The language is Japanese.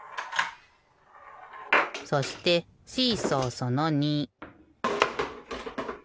そしてシーソーその２。